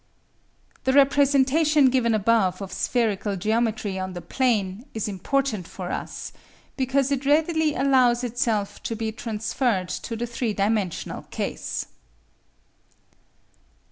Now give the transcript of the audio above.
The representation given above of spherical geometry on the plane is important for us, because it readily allows itself to be transferred to the three dimensional case.